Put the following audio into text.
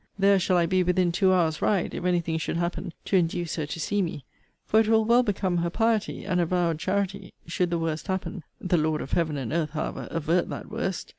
There shall I be within two hours' ride, if any thing should happen to induce her to see me: for it will well become her piety, and avowed charity, should the worst happen, [the Lord of Heaven and Earth, however, avert that worst!